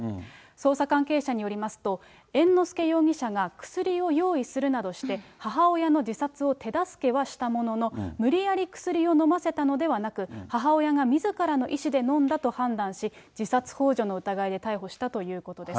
捜査関係者によりますと、猿之助容疑者が薬を用意するなどして、母親の自殺を手助けはしたものの、無理やり薬を飲ませたのではなく、母親がみずからの意思で飲んだと判断し、自殺ほう助の疑いで逮捕したということです。